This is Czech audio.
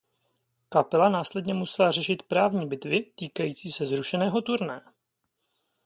Kapela následně musela řešit právní bitvy týkající se zrušeného turné.